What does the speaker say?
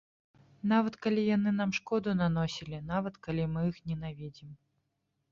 Нават калі яны нам шкоду наносілі, нават калі мы іх ненавідзім.